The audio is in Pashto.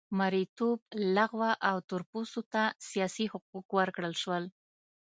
مریتوب لغوه او تور پوستو ته سیاسي حقوق ورکړل شول.